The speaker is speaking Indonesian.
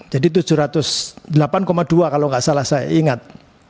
jadi tujuh ratus delapan dua kalau enggak salah saya ingat